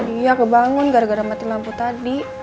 iya saya bangun gara gara mati lampu tadi